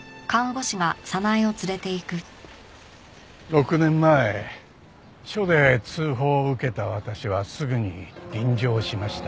６年前署で通報を受けた私はすぐに臨場しました。